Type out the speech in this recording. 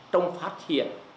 trong phát hiện